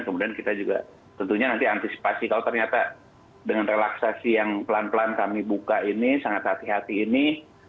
kemudian kita juga tentunya nanti antisipasi kalau ternyata dengan relaksasi yang pelan pelan kami buka ini sangat hati hati ini